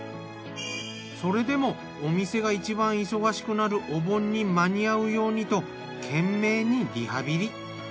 それでもお店がいちばん忙しくなるお盆に間に合うようにと懸命にリハビリ。